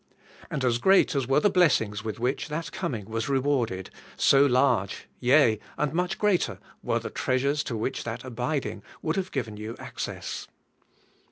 And as great as were the blessings with which that coming was re warded, so large, yea, and much greater, were the treasures to which that abiding would have given you access.